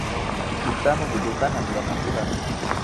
Kita membutuhkan aturan-aturan.